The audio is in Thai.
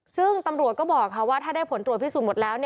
ซึ่งตำรวจก็บอกว่าถ้าได้ผลตรวจพิสูจน์หมดแล้ว